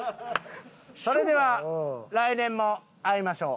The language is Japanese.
それでは来年も会いましょう。